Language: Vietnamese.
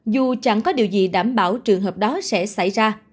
đảm bảo trường hợp đó sẽ xảy ra